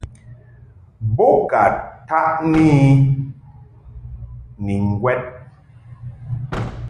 Bo ka taʼni I ni ŋgwɛd.